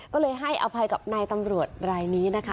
ก็เลยให้อภัยกับนายตำรวจรายนี้นะคะ